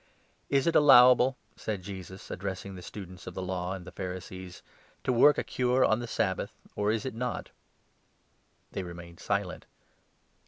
" Is it allowable," said Jesus, addressing the Students of the Law and the Pharisees, "to work a cure on the Sabbath, or is it not ?" They remained silent.